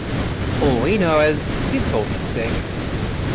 All we know is, he's called the Stig.